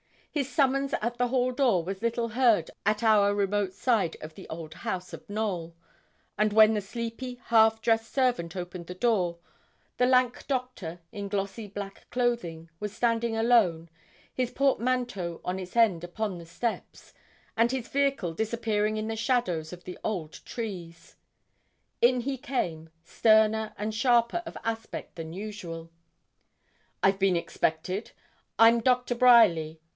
His summons at the hall door was little heard at our remote side of the old house of Knowl; and when the sleepy, half dressed servant opened the door, the lank Doctor, in glossy black clothing, was standing alone, his portmanteau on its end upon the steps, and his vehicle disappearing in the shadows of the old trees. In he came, sterner and sharper of aspect than usual. 'I've been expected? I'm Doctor Bryerly.